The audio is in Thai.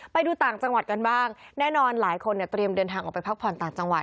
ไปดูต่างจังหวัดกันบ้างแน่นอนหลายคนเนี่ยเตรียมเดินทางออกไปพักผ่อนต่างจังหวัด